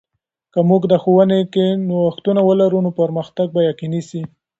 که موږ د ښوونې کې نوښتونه ولرو، نو پرمختګ به یقیني سي.